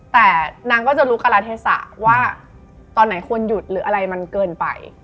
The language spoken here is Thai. แต่นางก็จะรู้การาเทศะว่าตอนไหนควรหยุดหรืออะไรมันเกินไป